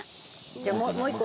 じゃあもう一個。